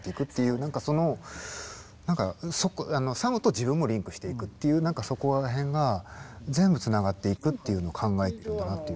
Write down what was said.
何かそのサムと自分もリンクしていくっていう何かそこらへんが全部繋がっていくっていうのを考えてるんだなっていう。